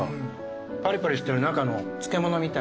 パリパリしてる中の漬物みたいな。